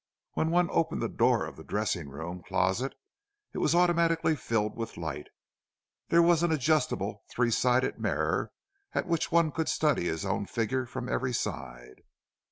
When one opened the door of the dressing room closet, it was automatically filled with light; there was an adjustable three sided mirror, at which one could study his own figure from every side.